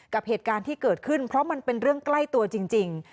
กับเหตุการณ์ที่เกิดขึ้นเพราะมันเป็นเรื่องใกล้ตัวจริง